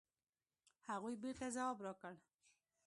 هغوی بېرته ځواب راکړ.